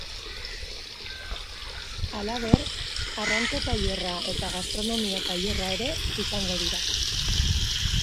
Halaber, arrantza tailerra eta gastronomia tailerra ere izango dira.